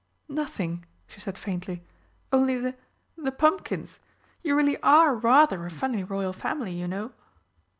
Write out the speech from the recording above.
"Nothing," she said faintly. "Only the the pumpkins. You really are rather a funny Royal Family, you know!"